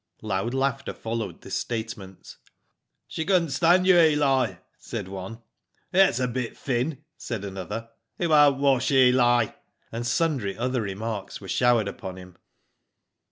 Loud laughter followed this statement. She couldn't stand you, Eli," said one. ''That's a bit thin" said another. "It won't wash, Eli," and sundry other remarks were showered upon him.